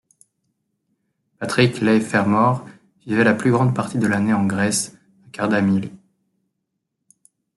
Patrick Leigh Fermor vivait la plus grande partie de l'année en Grèce, à Kardamyli.